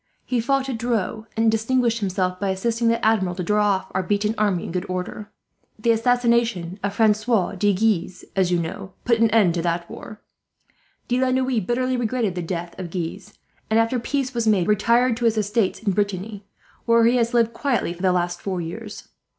He fought at Dreux, and distinguished himself by assisting the Admiral to draw off our beaten army in good order. The assassination of Francois de Guise, as you know, put an end to that war. De la Noue bitterly regretted the death of Guise and, after peace was made, retired to his estates in Brittany, where he has lived quietly for the last four years.